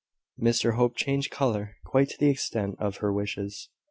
Mr Hope changed colour, quite to the extent of her wishes.